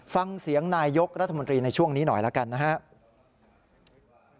ฟังเสียงนายยกรัฐมนตรีในช่วงนี้หน่อยแล้วกันนะครับ